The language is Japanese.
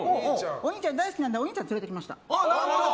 お兄ちゃんが大好きなのでお兄ちゃんを連れてきました。